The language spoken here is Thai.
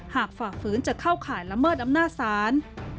หากฝากฝืนจะเข้าขายละเขิดอำนาจศาล